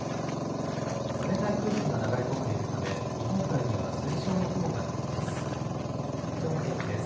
冷たい空気が流れ込んでいるため日本海には筋状の雲が見られます。